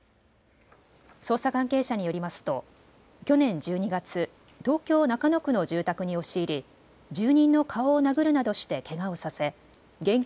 捜査関係者によりますと去年１２月、東京中野区の住宅に押し入り住人の顔を殴るなどしてけがをさせ現金